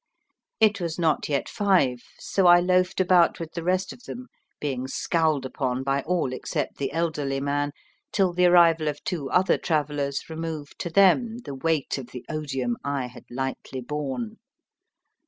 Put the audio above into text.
It was not yet five, so I loafed about with the rest of them, being scowled upon by all except the elderly man till the arrival of two other travellers removed to them the weight of the odium I had lightly borne.